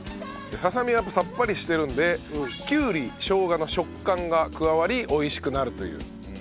ささみがやっぱりさっぱりしてるのできゅうりしょうがの食感が加わり美味しくなるという。